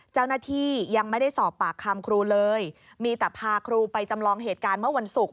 เจ้าหน้าที่ยังไม่ได้สอบปากคำครูเลยมีแต่พาครูไปจำลองเหตุการณ์เมื่อวันศุกร์